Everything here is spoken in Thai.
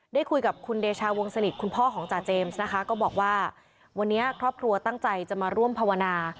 ได้คุยกับคุณเดชาวงศลิดคุณพ่อของจ่าเจมส์นะคะก็บอกว่าวันนี้ครอบครัวตั้งใจจะมาร่วมภาวนา